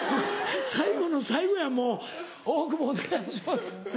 最後の最後やもう大久保お願いします。